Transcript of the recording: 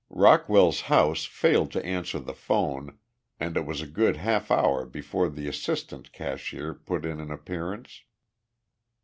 Rockwell's house failed to answer the phone, and it was a good half hour before the assistant cashier put in an appearance.